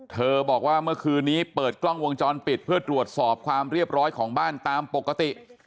บอกว่าเมื่อคืนนี้เปิดกล้องวงจรปิดเพื่อตรวจสอบความเรียบร้อยของบ้านตามปกติ